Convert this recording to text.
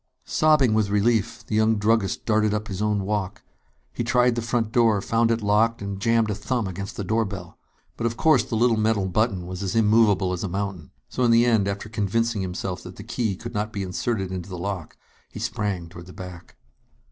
Sobbing with relief, the young druggist darted up his own walk. He tried the front door, found it locked, and jammed a thumb against the doorbell. But of course the little metal button was as immovable as a mountain. So in the end, after convincing himself that the key could not be inserted into the lock, he sprang toward the back.